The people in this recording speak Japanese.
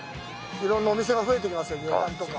いろんなお店がふえてきますよ、旅館とか。